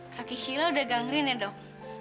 kaki sheila udah gangren ya dok